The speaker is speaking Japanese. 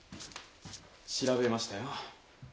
調べましたよ。